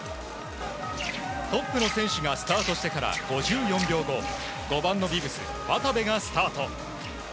トップの選手がスタートしてから５４秒後５番のビブス、渡部がスタート。